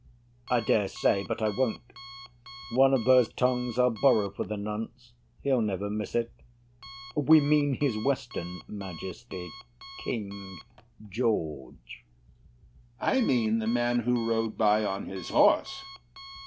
I dare say, but I won't. One of those tongues I'll borrow for the nonce. He'll never miss it. We mean his Western Majesty, King George. HAMILTON I mean the man who rode by on his horse.